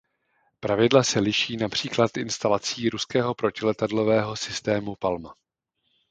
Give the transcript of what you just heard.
Plavidla se liší například instalací ruského protiletadlového systému Palma.